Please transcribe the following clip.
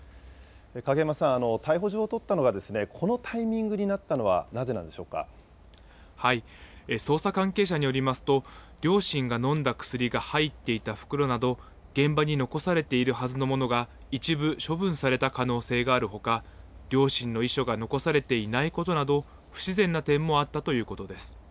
影山さん、逮捕状を取ったのがこのタイミングになったのはな捜査関係者によりますと、両親が飲んだ薬が入っていた袋など、現場に残されているはずのものが一部処分された可能性があるほか、両親の遺書が残されていないことなど、不自然な点もあったということです。